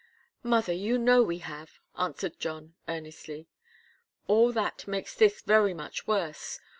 "Mother, you know we have," answered John, earnestly. "All that makes this very much worse.